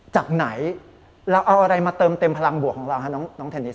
จากไหนเราเอาอะไรมาเติมเต็มพลังบวกของเราฮะน้องเทนนิส